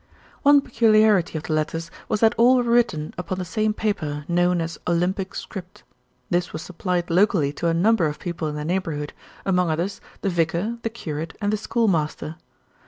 One peculiarity of the letters was that all were written upon the same paper, known as "Olympic Script." This was supplied locally to a number of people in the neighbourhood, among others, the vicar, the curate, and the schoolmaster.